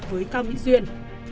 với cao mỹ duyên